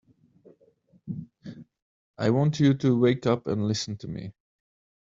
I want you to wake up and listen to me